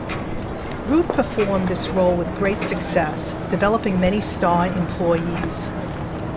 Root performed this role with great success, developing many star employees.